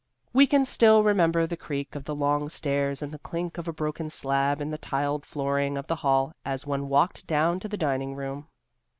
We can still remember the creak of the long stairs and the clink of a broken slab in the tiled flooring of the hall as one walked down to the dining room.